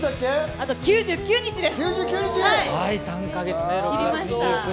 あと９９日です。